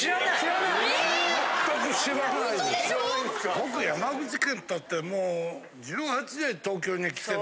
僕山口県ったってもう。